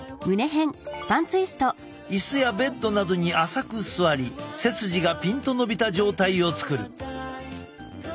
椅子やベッドなどに浅く座り背筋がピンと伸びた状態を作る。